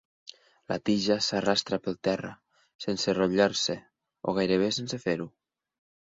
La tija s'arrastra pel terra, sense enrotllar-se, o gairebé sense fer-ho.